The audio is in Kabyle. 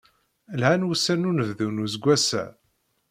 Lhan wussan n unebdu n useggas-a.